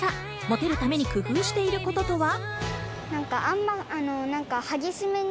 モテるために工夫していることとは？